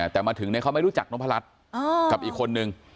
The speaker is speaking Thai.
แต่มาถึงเนี่ยเขาไม่รู้จักนพรัชกับอีกคนนึง